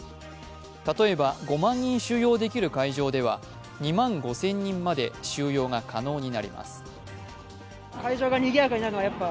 例えば５万人収容できる会場では２万５０００人まで収容が可能になります。